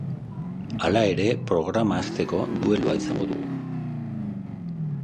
Hala ere, programa hasteko, duelua izango dugu.